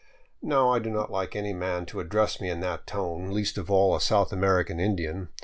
" Now I do not like any man to address me in that tone, least of all a South American Indian.